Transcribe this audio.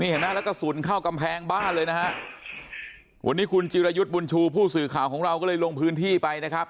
เห็นไหมแล้วกระสุนเข้ากำแพงบ้านเลยนะฮะวันนี้คุณจิรยุทธ์บุญชูผู้สื่อข่าวของเราก็เลยลงพื้นที่ไปนะครับ